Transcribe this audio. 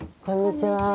こんにちは。